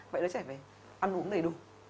vậy đứa trẻ phải ăn uống đầy đủ